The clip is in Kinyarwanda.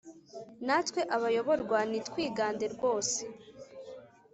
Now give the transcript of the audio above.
natwe abayoborwa ntitwigande rwose,